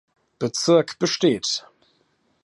Bezirk besteht.